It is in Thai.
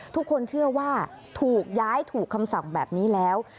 ทุกคนเชื่อว่าถูกย้ายถูกคำสั่งแบบนี้แล้ว